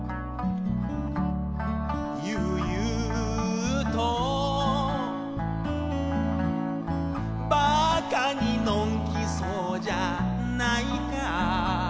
「ゆうゆうと」「馬鹿にのんきそうじゃないか」